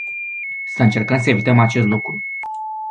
Să încercăm să evităm acest lucru.